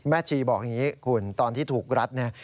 ชีบอกอย่างนี้คุณตอนที่ถูกรัดเนี่ย